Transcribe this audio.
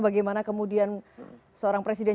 bagaimana kemudian seorang presiden